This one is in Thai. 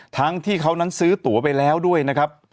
ทั้งที่เขานั้นซื้อตัวไปแล้วด้วยนะครับ